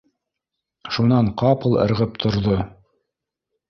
Шунан ҡапыл ырғып торҙо: